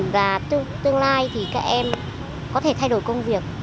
và tương lai thì các em có thể thay đổi công việc